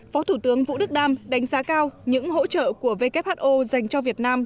phó thủ tướng vũ đức đam đánh giá cao những hỗ trợ của who dành cho việt nam